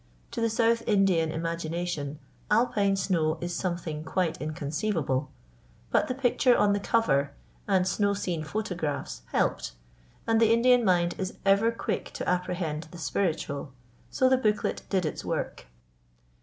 To the South Indian imagination Alpine snow is something quite inconceivable; but the picture on the cover and snow scene photographs helped, and the Indian mind is ever quick to apprehend the spiritual, so the booklet did its work.